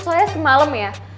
soalnya semalam ya